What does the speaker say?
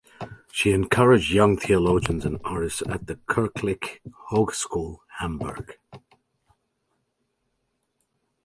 She encouraged young theologians and artists at the Kirchliche Hochschule Hamburg.